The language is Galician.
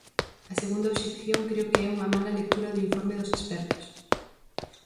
A segunda obxección creo que é unha mala lectura do informe dos expertos.